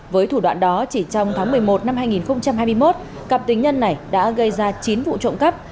với thủ đoạn đó chỉ trong tháng một mươi một năm hai nghìn hai mươi một cặp tính nhân này đã gây ra chín vụ trộm cắp